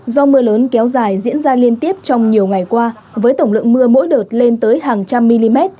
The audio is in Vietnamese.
do mưa lớn kéo dài diễn ra liên tiếp trong nhiều ngày qua với tổng lượng mưa mỗi đợt lên tới hàng trăm mm